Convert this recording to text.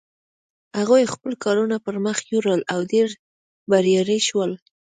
هغوی خپل کارونه پر مخ یوړل او ډېر بریالي شول.